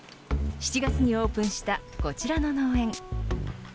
７月にオープンしたこちらの農園。